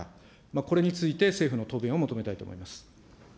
これについて、政府の答弁を求めたいと思います。